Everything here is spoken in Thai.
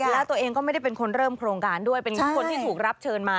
แล้วตัวเองก็ไม่ได้เป็นคนเริ่มโครงการด้วยเป็นคนที่ถูกรับเชิญมา